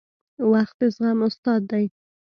• وخت د زغم استاد دی.